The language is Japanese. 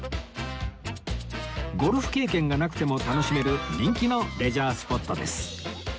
ゴルフ経験がなくても楽しめる人気のレジャースポットです